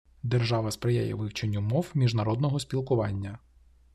Держава сприяє вивченню мов міжнародного спілкування.